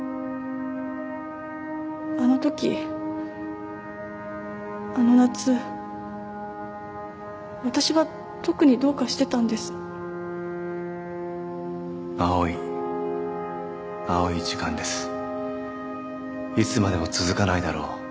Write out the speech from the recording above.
あのときあの夏私は特にどうかしてたんです青い青い時間ですいつまでも続かないだろう